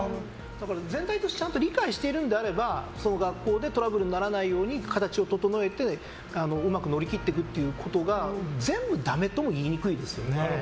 全体としてちゃんと理解しているのであればその学校でトラブルにならないように形を整えてうまく乗り切っていくことが全部ダメとも言いにくいですよね。